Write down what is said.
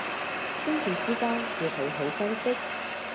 生死之交要好好珍惜